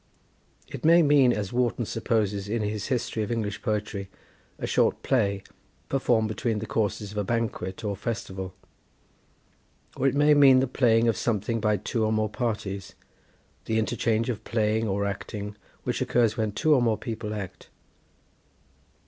It may mean, as Warton supposes in his history of English Poetry, a short play performed between the courses of a banquet, or festival; or it may mean the playing of something by two or more parties, the interchange of playing or acting which occurs when two or more people act.